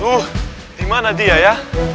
tuh dimana dia ya